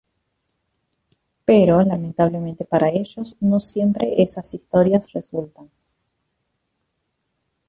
Pero lamentablemente para ellos, no siempre esas historias resultan.